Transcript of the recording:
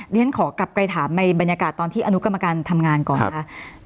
เรียนขอกลับไปถามในบรรยากาศตอนที่อนุกรรมการทำงานก่อนนะคะ